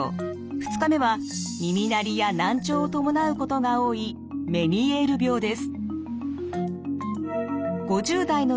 ２日目は耳鳴りや難聴を伴うことが多いメニエール病です。